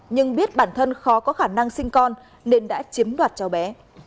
nhưng biết bản thân khó có khả năng sinh con nên đã chiếm đoạt cháu bé